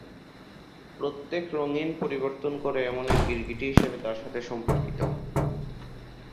প্রত্যেকে রঙিন পরিবর্তন করে এমন এক গিরগিটি হিসাবে তার সাথে সম্পর্কিত।